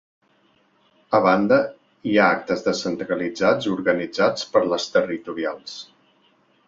A banda, hi ha actes descentralitzats organitzats per les territorials.